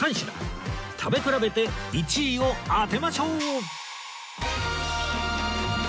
食べ比べて１位を当てましょう